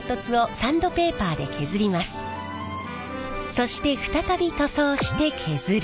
そして再び塗装して削る。